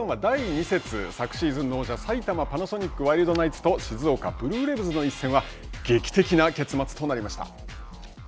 昨シーズンの王者埼玉パナソニックワイルドナイツと静岡ブルーレヴスの一戦は劇的な結末となりました。